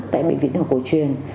tại bệnh viện học hồi truyền